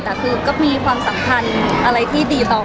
แต่คือก็มีความสำคัญอะไรที่ดีต่อ